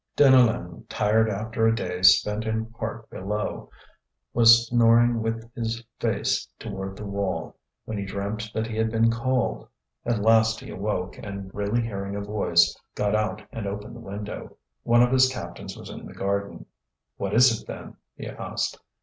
Deneulin, tired after a day spent in part below, was snoring with his face toward the wall, when he dreamt that he had been called. At last he awoke, and really hearing a voice, got out and opened the window. One of his captains was in the garden. "What is it, then?" he asked.